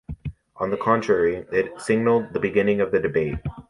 On the contrary, it signalled the beginning of the debate.